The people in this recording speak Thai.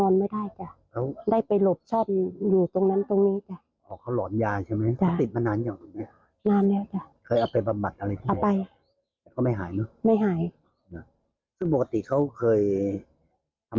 นักจ้ะเงี๊ยบสี่เข็ม